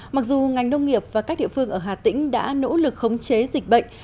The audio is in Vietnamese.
mặc dù ngành nông nghiệp và các địa phương ở hà tĩnh đã nỗ lực khống chế dịch bệnh